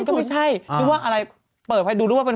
ตอนแรกคิดว่า